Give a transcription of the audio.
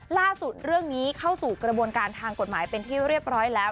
ล่าสุดเรื่องนี้เข้าสู่กระบวนการทางกฎหมายเป็นที่เรียบร้อยแล้ว